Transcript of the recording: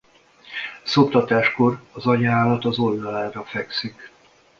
Szoptatáskor az anyaállat az oldalára fekszik.